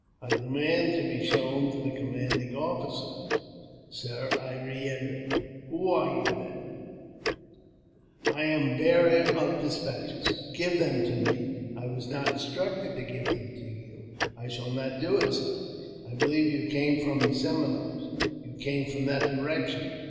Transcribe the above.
" I demand to be shown to the commanding officer, sir,'' I reiterated. " Who are you, then ?"" I am the bearer of despatches." Give them to me." " I was not instructed to give them to you. I shall not do it, sir." " I believe you came from the Seminoles ; you came from that direction."